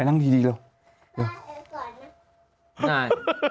อายเขา